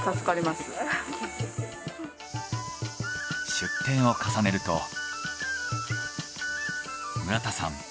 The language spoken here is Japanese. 出店を重ねると村田さん